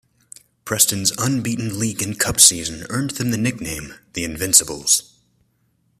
Preston's unbeaten League and Cup season earned them the nickname "The Invincibles".